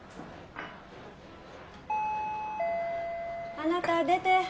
あなた出て。